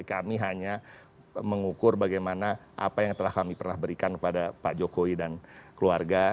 kami hanya mengukur bagaimana apa yang telah kami pernah berikan kepada pak jokowi dan keluarga